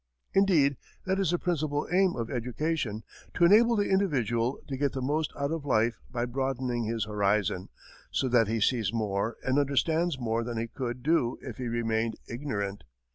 Indeed, that is the principal aim of education: to enable the individual to get the most out of life by broadening his horizon, so that he sees more and understands more than he could do if he remained ignorant.